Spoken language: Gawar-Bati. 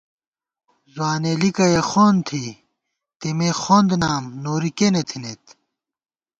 ځوانېلِکہ یَہ خَون تھی ، تېمے خَوند نام نوری کېنےتھنَئیت